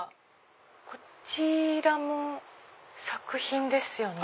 こちらも作品ですよね？